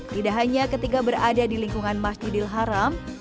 tidak hanya ketika berada di lingkungan masjidil haram